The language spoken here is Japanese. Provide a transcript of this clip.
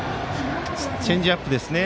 チェンジアップですね。